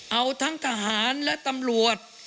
เอาทั้งทหารและตำรวจ